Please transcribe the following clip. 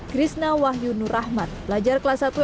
krisna wahyunur rahmat